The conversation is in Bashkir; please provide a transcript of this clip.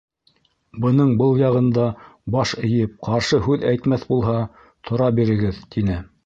Бының был яғында баш эйеп, ҡаршы һүҙ әйтмәҫ булһа, тора бирегеҙ, — тине.